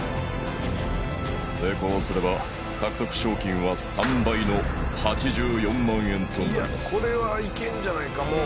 成功すれば獲得賞金は３倍の８４万円となりますじゃ